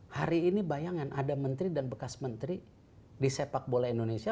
hari ini bayangan ada menteri dan bekas menteri di sepak bola indonesia